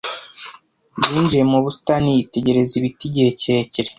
Yinjiye mu busitani yitegereza ibiti igihe kirekire.